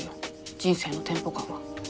人生のテンポ感が。